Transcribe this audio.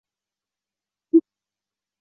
然而连续两晚均发生杀人事件。